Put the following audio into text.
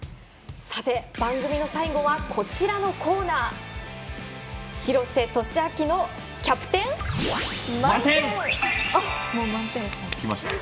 番組の最後はこちらのコーナー「廣瀬俊朗のキャプテン満点」。